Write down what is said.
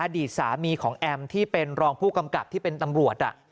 อดีตสามีของแอมที่เป็นรองผู้กำกับที่เป็นตำรวจ